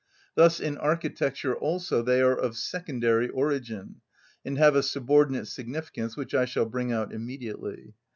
Thus in architecture also they are of secondary origin, and have a subordinate significance, which I shall bring out immediately.